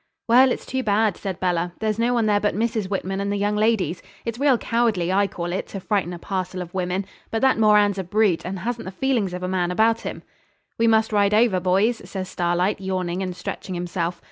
'Well, it's too bad,' said Bella; 'there's no one there but Mrs. Whitman and the young ladies. It's real cowardly, I call it, to frighten a parcel of women. But that Moran's a brute and hasn't the feelings of a man about him.' 'We must ride over, boys,' says Starlight, yawning and stretching himself.